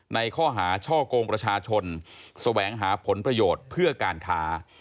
ในข้อหาช่อกงประชาชนแสวงหาผลประโยชน์เพื่อการค้า